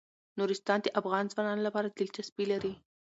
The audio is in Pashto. نورستان د افغان ځوانانو لپاره دلچسپي لري.